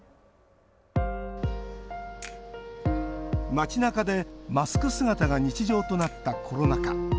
町なかでマスク姿が日常となったコロナ禍。